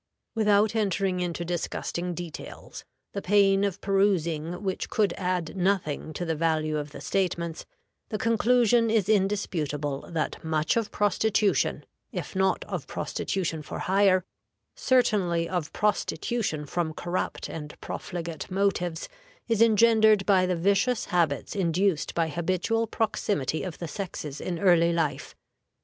Without entering into disgusting details, the pain of perusing which could add nothing to the value of the statements, the conclusion is indisputable that much of prostitution, if not of prostitution for hire, certainly of prostitution from corrupt and profligate motives, is engendered by the vicious habits induced by habitual proximity of the sexes in early life.